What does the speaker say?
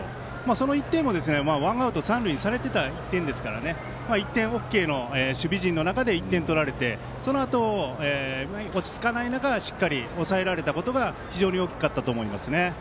その１点もワンアウト、三塁にされていた１点でしたから１点ＯＫの守備陣の中で１点取られてそのあと、落ち着かない中しっかり抑えられたことが非常に大きかったと思いますね。